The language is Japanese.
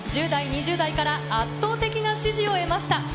１０代、２０代から圧倒的な支持を得ました。